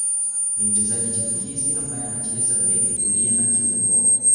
Ni mchezaji chipukizi ambaye anacheza beki kulia na kiungo